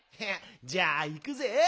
じゃあいくぜ。